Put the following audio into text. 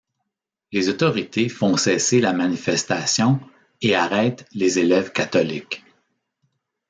Les autorités font cesser la manifestation et arrêtent les élèves catholiques.